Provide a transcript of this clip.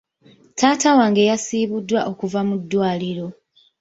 Taata wange yasiibuddwa okuva mu ddwaliro .